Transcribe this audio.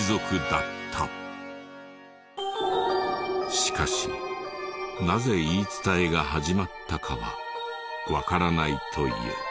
しかしなぜ言い伝えが始まったかはわからないという。